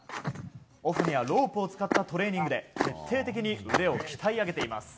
オフにはロープを使ったトレーニングで徹底的に腕を鍛え上げています。